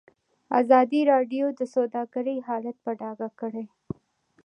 ازادي راډیو د سوداګري حالت په ډاګه کړی.